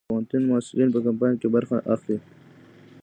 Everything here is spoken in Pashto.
د پوهنتون محصلین په کمپاین کې برخه اخلي؟